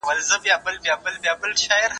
زه کولای سم ږغ واورم!